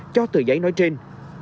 cho tờ giấy nói trên